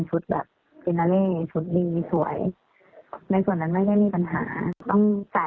ดูอย่างในส่วนของแคทเทอรี่งานเช้า